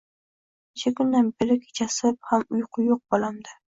Necha kundan beri kechasi ham uyqu yo‘q bolamda